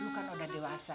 lu kan udah dewasa